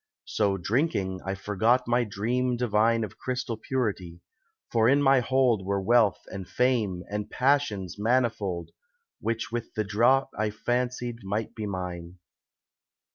So drinking, I forgot my dream divine Of crystal purity, for in my hold Were wealth and Fame and Passions manifold Which with the draught I fancied might be mine.